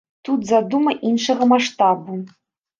Тут задума іншага маштабу.